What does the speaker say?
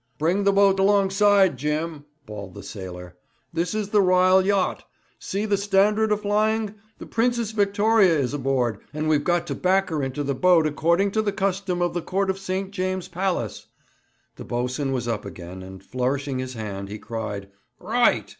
'Bring the boat alongside, Jim!' bawled the sailor. 'This is the Ryle yacht. See the Standard a flying? The Princess Victoria is aboard, and we've got to back her into the boat according to the custom of the Court of St. James's Palace.' The boatswain was up again, and, flourishing his hand, he cried: 'Right!'